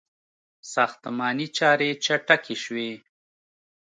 • ساختماني چارې چټکې شوې.